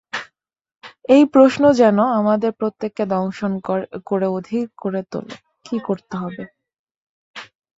এই প্রশ্ন যেন আমাদের প্রত্যেককে দংশন করে অধীর করে তোলে, কী করতে হবে?